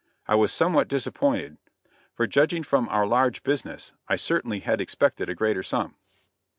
I was somewhat disappointed, for, judging from our large business, I certainly had expected a greater sum.